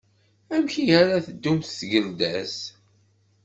Amek ihi ara tdum tgelda-s?